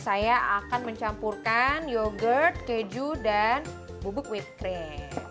saya akan mencampurkan yogurt keju dan bubuk white cream